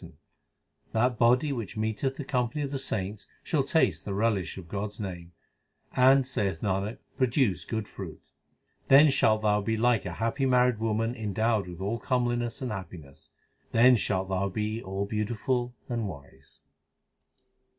282 THE SIKH RELIGION That body which meeteth the company of the saints shall taste the relish of God s name, And, saith Nanak, produce good fruit. Then shalt thou be like a happy married woman endowed with all comeliness and happiness ; Then shalt thou be all beautiful and wise.